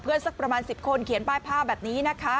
เพื่อนสักประมาณสิบคนเขียนป้ายภาพแบบนี้นะคะ